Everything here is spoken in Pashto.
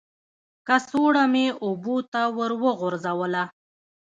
کڅوړه مې اوبو ته ور وغورځوله.